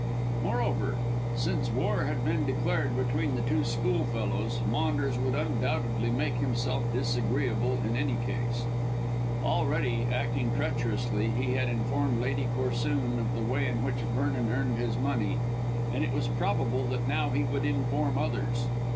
Moreover, since war had been declared between the two schoolfellows, Maunders would undoubtedly make himself disagreeable in any case. Already, acting treacherously, he had informed Lady Corsoon of the way in which Vernon earned his money, and it was probable that now he would inform others.